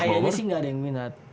kayaknya sih gak ada yang minat